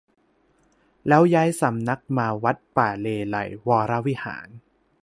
แล้วย้ายสำนักมาวัดป่าเลไลยก์วรวิหาร